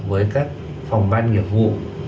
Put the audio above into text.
với các phòng ban nghiệp vụ